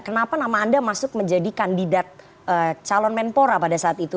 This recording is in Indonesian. kenapa nama anda masuk menjadi kandidat calon menpora pada saat itu